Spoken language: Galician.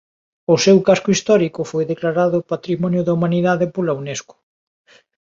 O seu casco histórico foi declarado Patrimonio da Humanidade pola Unesco.